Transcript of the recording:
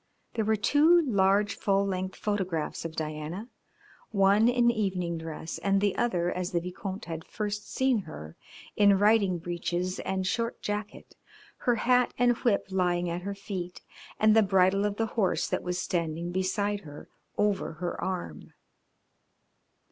There were two large full length photographs of Diana, one in evening dress and the other as the Vicomte had first seen her, in riding breeches and short jacket, her hat and whip lying at her feet, and the bridle of the horse that was standing beside her over her arm.